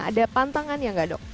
ada pantangan ya gak dok